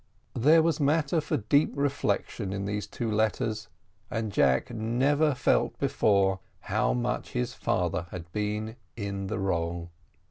There was matter for deep reflection in these two letters, and Jack never felt before how much his father had been in the wrong.